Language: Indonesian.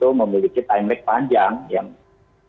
ya jangan sampai utang ini untuk kegiatan kegiatan yang lebih besar